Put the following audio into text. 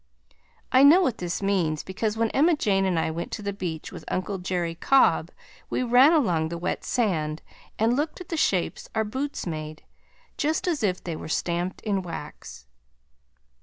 I know what this means because when Emma Jane and I went to the beach with Uncle Jerry Cobb we ran along the wet sand and looked at the shapes our boots made, just as if they were stamped in wax.